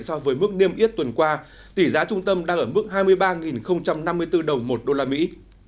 so với mức niêm yết tuần qua tỷ giá trung tâm đang ở mức hai mươi ba năm mươi bốn đồng một đô la mỹ